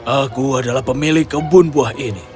aku adalah pemilik kebun buah ini